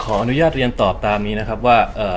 ขออนุญาตเรียนตอบตามนี้นะครับว่า